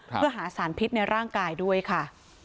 เพื่อหาสารพิษในร่างกายด้วยค่ะ